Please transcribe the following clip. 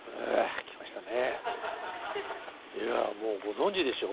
いやもうご存じでしょう